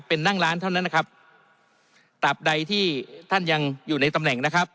เป็นนั่งร้านเท่านั้นนะครับตับใดที่ท่านยังอยู่ในตำแหน่งนะครับ